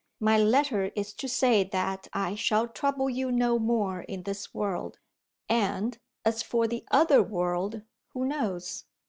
My letter is to say that I shall trouble you no more in this world and, as for the other world, who knows?